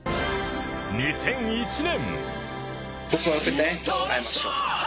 ２００１年